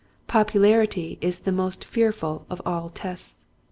Popularity is the most fear ful of all tests.